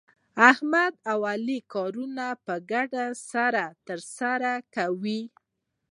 احمد او علي کارونه په ګډه سره ترسره کوي.